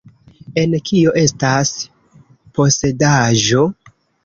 En "Kio estas Posedaĵo?